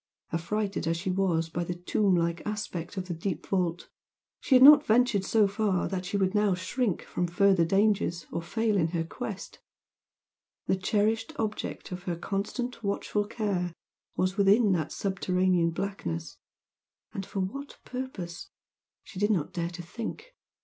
Affrighted as she was by the tomb like aspect of the deep vault, she had not ventured so far that she should now shrink from further dangers or fail in her quest; the cherished object of her constant watchful care was within that subterranean blackness, for what purpose? she did not dare to think!